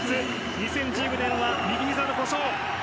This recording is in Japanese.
２０１５年は右ひざの故障。